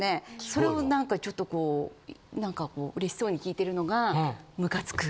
それを何かちょっとこう何かこう嬉しそうに聞いてるのがムカつく。